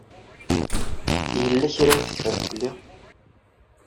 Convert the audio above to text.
Yella kra ay teffer fell-i?